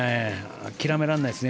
諦められないですね